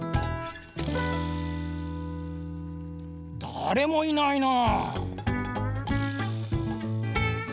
だれもいないな。